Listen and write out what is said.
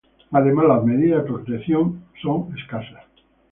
Además las medidas de protección son escasas.